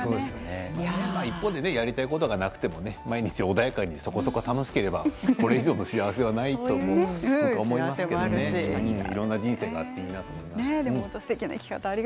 一方で、やりたいことがなくても毎日穏やかにそこそこ楽しければこれ以上の幸せもないと思いますけど、いろいろな人生があっていいと思います。